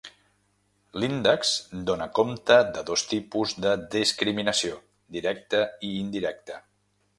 L'índex dóna compte de dos tipus de discriminació: directa i indirecta.